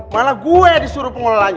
malah gue disuruh pengelolanya